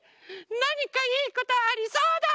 なにかいいことありそうだ！